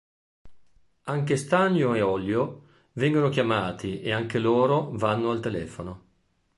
Anche Stanlio e Ollio vengono chiamati, e anche loro vanno al telefono.